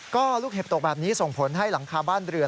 ก็ลูกเห็บตกแบบนี้ส่งผลให้หลังคาบ้านเรือ